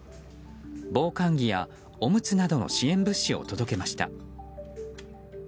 防寒着や、おむつのなどの支援物資を届けました。